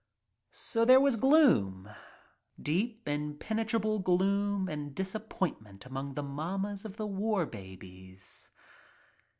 So there was gloom, deep impenetrable gloom and dis appointment among the mammas of the War Babies.